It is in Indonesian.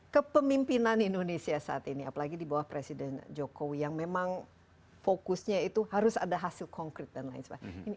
kepemimpinan indonesia saat ini apalagi di bawah presiden jokowi yang memang fokusnya itu harus ada hasil konkret dan lain sebagainya